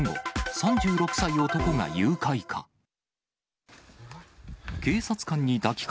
３６歳男が誘拐か。